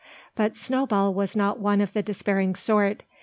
But Snowball was not one of the despairing sort.